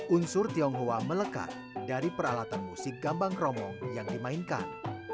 unsur tionghoa melekat dari peralatan musik gambang kromong yang dimainkan